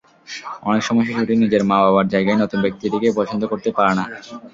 অনেক সময় শিশুটি নিজের মা-বাবার জায়গায় নতুন ব্যক্তিটিকে পছন্দ করতে পারে না।